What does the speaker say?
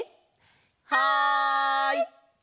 はい！